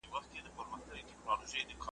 يو ناپوه دئ په گونگۍ ژبه گويان دئ `